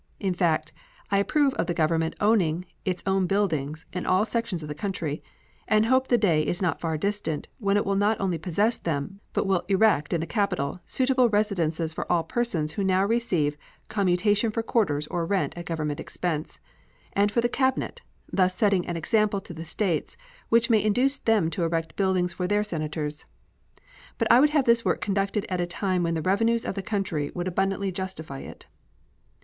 In fact, I approve of the Government owning its own buildings in all sections of the country, and hope the day is not far distant when it will not only possess them, but will erect in the capital suitable residences for all persons who now receive commutation for quarters or rent at Government expense, and for the Cabinet, thus setting an example to the States which may induce them to erect buildings for their Senators. But I would have this work conducted at a time when the revenues of the country would abundantly justify it.